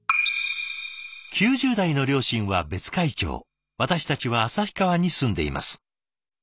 「９０代の両親は別海町私たちは旭川に住んでいます。